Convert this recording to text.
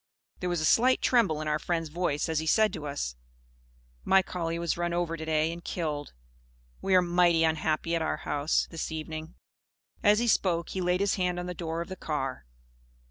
There was a slight tremble in our friend's voice as he said to us: "My collie was run over to day and killed. We are mighty unhappy, at our house, this evening." As he spoke, he laid his hand on the door of the car.